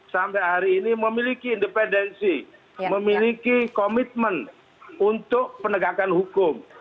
sampai hari ini memiliki independensi memiliki komitmen untuk penegakan hukum